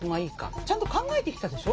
ちゃんと考えてきたでしょ？